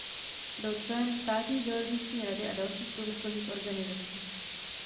Byl členem státní železniční rady a dalších průmyslových organizací.